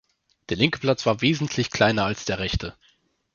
Der linke Platz war wesentlich kleiner als der rechte.